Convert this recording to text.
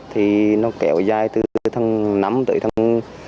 thì nó kéo dài từ tháng năm tới tháng một mươi